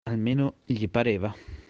Almeno gli pareva.